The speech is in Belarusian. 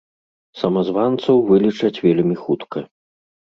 Самазванцаў вылічаць вельмі хутка.